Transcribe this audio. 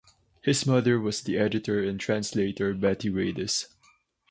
His mother was the editor and translator Betty Radice.